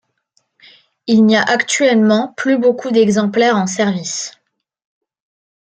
Il n'y a actuellement plus beaucoup d'exemplaires en service.